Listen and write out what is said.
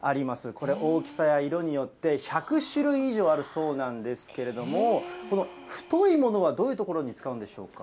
これ、大きさや色によって１００種類以上あるそうなんですけれども、この太いものはどういう所に使うんでしょうか。